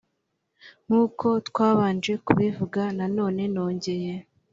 nk uko twabanje kubivuga na none nongeye